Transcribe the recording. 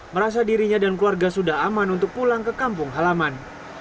merasa dirinya dan keluarga sudah aman untuk pulang ke kampung halaman